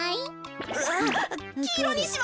あきいろにします。